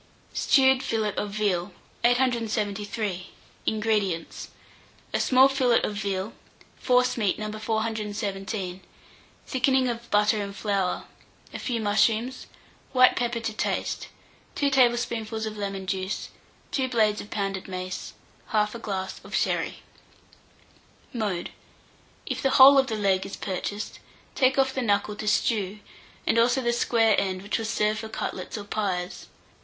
STEWED FILLET OF VEAL. 873. INGREDIENTS. A small fillet of veal, forcemeat No. 417, thickening of butter and flour, a few mushrooms, white pepper to taste, 2 tablespoonfuls of lemon juice, 2 blades of pounded mace, 1/2 glass of sherry. Mode. If the whole of the leg is purchased, take off the knuckle to stew, and also the square end, which will serve for cutlets or pies.